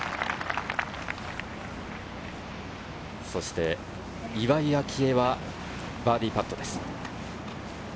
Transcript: そして岩井明愛はバーディーパットです。